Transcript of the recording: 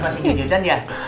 mas masih ngejutan ya